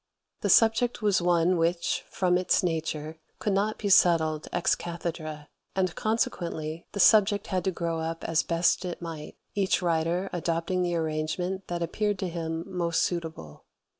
The subject was one which, from its nature, could not be settled ex cathedrâ, and consequently the subject had to grow up as best it might, each writer adopting the arrangement that appeared to him most suitable.